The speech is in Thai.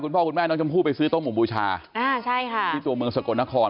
คุณพ่อคุณแม่น้องจำคู่ไปซื้อโต๊ะหมู่บูชาที่ตัวเมืองสกลนคร